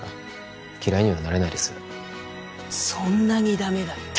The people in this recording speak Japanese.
そんなにダメだった？